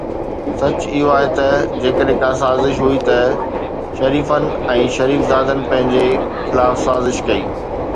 سچ اهو آهي ته جيڪڏهن ڪا سازش هئي ته شريفن ۽ شريفزادن پنهنجي خلاف سازش ڪئي.